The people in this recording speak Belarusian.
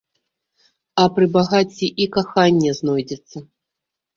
А пры багацці і каханне знойдзецца.